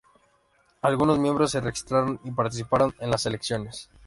Algunos miembros se registraron y participaron en las elecciones.